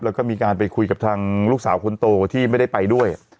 แล้วก็มีการไปคุยกับทางลูกสาวคนโตที่ไม่ได้ไปด้วย